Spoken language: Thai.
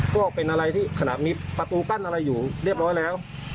ก็เป็นอะไรที่ขนาดมีประตูกั้นอะไรอยู่เรียบร้อยแล้ว